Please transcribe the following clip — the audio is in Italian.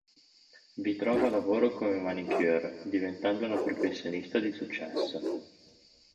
Vi trova lavoro come manicure, diventando una professionista di successo.